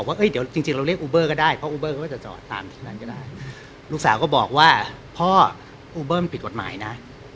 เรียกอุเบิร์นผิดกฎหมายนะ